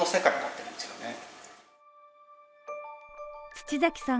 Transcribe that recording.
土崎さん